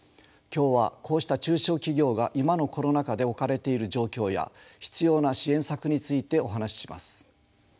今日はこうした中小企業が今のコロナ禍で置かれている状況や必要な支援策についてお話しします。